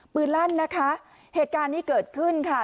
ลั่นนะคะเหตุการณ์นี้เกิดขึ้นค่ะ